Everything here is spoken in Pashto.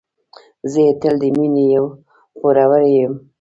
زه یې تل د مينې پوروړی یم.